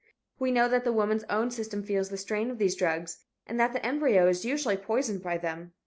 We know that the woman's own system feels the strain of these drugs and that the embryo is usually poisoned by them.